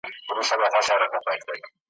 پر اوږو يې كړ پوستين پسي روان سو .